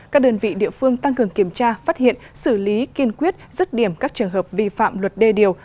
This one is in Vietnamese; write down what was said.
các đơn vị địa phương tăng cường kiểm tra phát hiện xử lý kiên quyết rứt điểm các trường hợp vi phạm luật đê điều